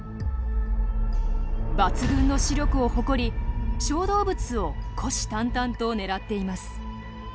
抜群の視力を誇り小動物を虎視たんたんと狙っています。